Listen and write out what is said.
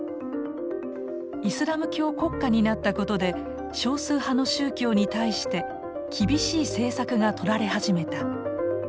イスラム教国家になったことで少数派の宗教に対して厳しい政策がとられ始めた。